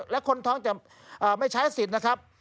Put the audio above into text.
และคนท้องจะไม่ใช้สิทธิ์นะครับ